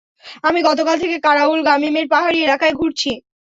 আমি গতকাল থেকে কারাউল গামীমের পাহাড়ী এলাকায় ঘুরছি।